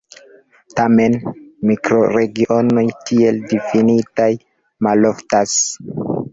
Tamen, mikroregionoj tiel difinitaj maloftas.